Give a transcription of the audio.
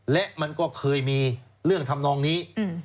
และมันก็เคยมีเรื่องทำนองนี้